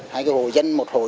hai hồ dân một hồ